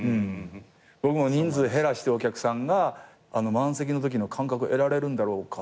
僕も人数減らしてお客さんが満席のときの感覚得られるんだろうか。